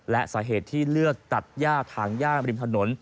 และสาเหตุที่เลือกตัดย่าถางย่างริมถนน